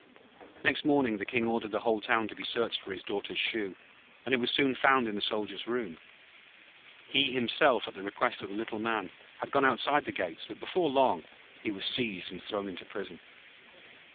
Next morning the King ordered the whole town to be searched for his Daughter's shoe, and it was soon found in the Soldier's room. He himself, at the request of the Little Man, had gone outside the gates; but before long he was seized and thrown into prison.